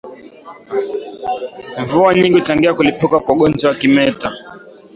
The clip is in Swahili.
Mvua nyingi huchangia kulipuka kwa ugonjwa wa kimeta